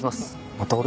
また俺？